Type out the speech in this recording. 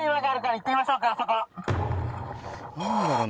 何だろうな。